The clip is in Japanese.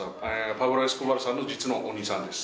パブロ・エスコバルさんの実のお兄さんです